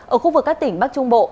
ở khu vực các tỉnh bắc trung bộ